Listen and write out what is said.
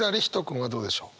君はどうでしょう？